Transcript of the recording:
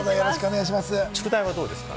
宿題はどうですか？